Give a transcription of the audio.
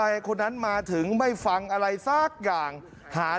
แล้วอ้างด้วยว่าผมเนี่ยทำงานอยู่โรงพยาบาลดังนะฮะกู้ชีพที่เขากำลังมาประถมพยาบาลดังนะฮะ